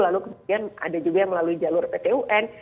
lalu kemudian ada juga yang melalui jalur pt un